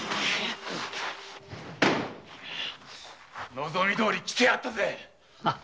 望みどおりきてやったぜ！